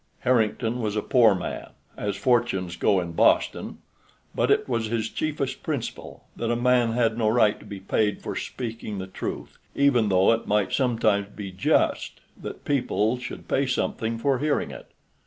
Harrington was a poor man, as fortunes go in Boston, but it was his chiefest principle that a man had no right to be paid for speaking the truth, even though it might sometimes be just that people should pay something for hearing it.